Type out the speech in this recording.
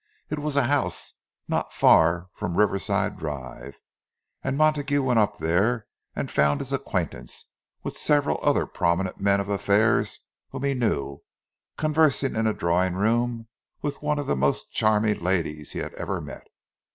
It was a house not far from Riverside Drive; and Montague went there and found his acquaintance, with several other prominent men of affairs whom he knew, conversing in a drawing room with one of the most charming ladies he had ever met.